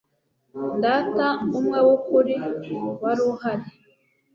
data umwe w'ukuri, wari uhari